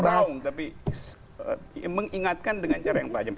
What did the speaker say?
bukan merahung tapi mengingatkan dengan cara yang tajam